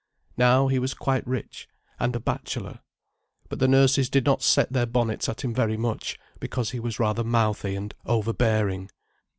Now he was quite rich—and a bachelor. But the nurses did not set their bonnets at him very much, because he was rather mouthy and overbearing.